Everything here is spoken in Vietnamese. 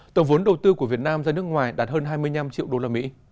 tổng vốn đầu tư của việt nam ra nước ngoài đạt hơn hai mươi năm triệu usd